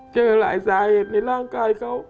เจอหลายสาเหตุในร่างกายเขา